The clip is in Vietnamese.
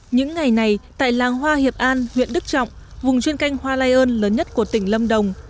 những ngày này tại làng hoa hiệp an huyện đức trọng vùng chuyên canh hoa lây ơn lớn nhất của tỉnh lâm đồng